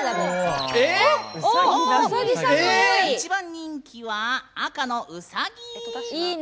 一番人気は赤のうさぎ。